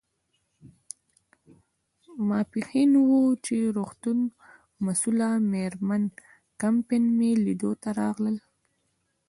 ماپیښین و، چې د روغتون مسؤله مېرمن کمپن مې لیدو ته راغلل.